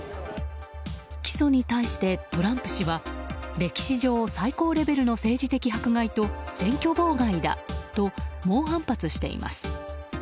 起訴に対して、トランプ氏は歴史上最高レベルの政治的迫害と選挙妨害だと猛反発しています。